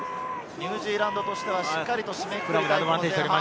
ニュージーランドとしてはしっかり締めくくりたいところで。